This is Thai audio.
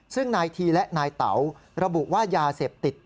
ซึ่งนายทีและนายเต๋าระบุว่ายาเสพติด